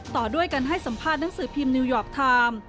ต่อด้วยการให้สัมภาษณ์หนังสือพิมพ์นิวยอร์กไทม์